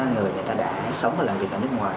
ba người người ta đã sống và làm việc ở nước ngoài